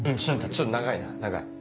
ちょっと長いな長い。